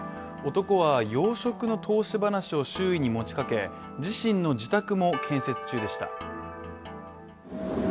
男は養殖の投資話を周囲に持ち掛け、自身の自宅も建設中でした。